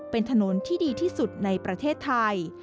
เป็นถนนที่ดีที่สุดในประเทศไทย